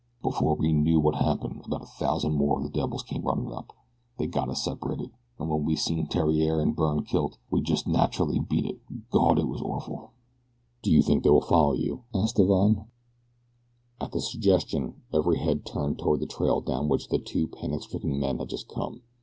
Before we knew wot had happened about a thousand more of the devils came runnin' up. They got us separated, and when we seen Theriere and Byrne kilt we jest natch'rally beat it. Gawd, but it was orful." "Do you think they will follow you?" asked Divine. At the suggestion every head turned toward the trail down which the two panic stricken men had just come.